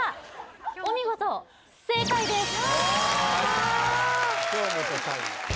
お見事正解です